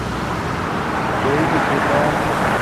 ڈیئ نکھِتا